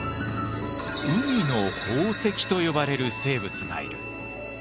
海の宝石と呼ばれる生物がいる。